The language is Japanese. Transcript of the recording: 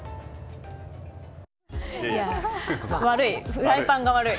フライパンが悪い。